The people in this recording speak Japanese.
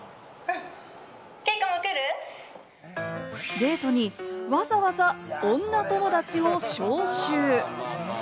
デートにわざわざ女友達を招集。